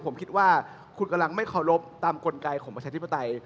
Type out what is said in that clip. ผมคิดว่าคุณกำลังไม่เคารพตามกลไกของประชาธิปไตย